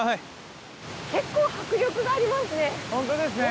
結構迫力がありますね。